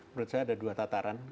menurut saya ada dua tataran